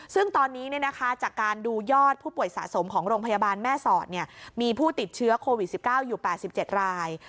ซึ่งตอนนี้จากการดูยอดผู้ป่วยสะสมของโรงพยาบาลแม่สอดมีผู้ติดเชื้อโควิด๑๙อยู่๘๗ราย